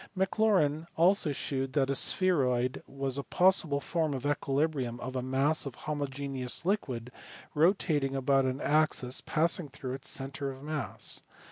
Maclaurin also shewed that a spheroid was a possible form of equilibrium of a mass of homogeneous liquid rotating about an axis passing through its centre of mass.